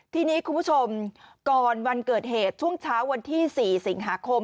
ทีนี้คุณผู้ชมก่อนวันเกิดเหตุช่วงเช้าวันที่๔สิงหาคม